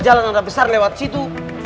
injak jalanan besar lewat situ